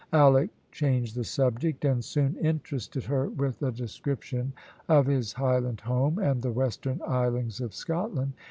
Alick changed the subject, and soon interested her with a description of his Highland home and the Western islands of Scotland.